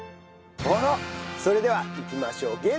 それではいきましょう。